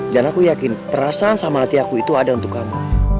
dan aku yakin perasaan sama hati aku itu ada untuk kamu